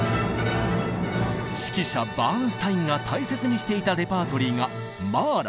指揮者バーンスタインが大切にしていたレパートリーがマーラー。